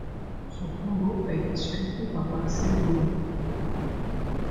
Son tombeau a été sculpté par Marcel Gaumont.